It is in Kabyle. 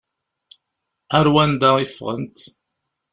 Ar wanda i ffɣent?